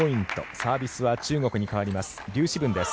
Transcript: サービスは中国に変わります。